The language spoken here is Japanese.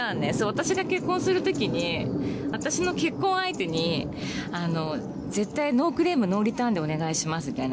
私が結婚するときに私の結婚相手にあの絶対ノークレームノーリターンでお願いしますみたいな。